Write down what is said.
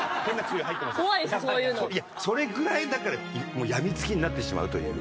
それぐらいだからもう病み付きになってしまうという。